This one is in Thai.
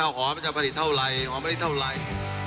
หอมมันจะผลิตเท่าไหร่หอมไม่ได้เท่าไหร่